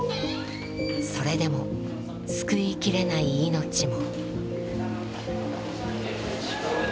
それでも救いきれない命も。